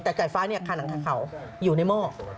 แต่ไก่ฟ้าที่อยู่ในหม้อ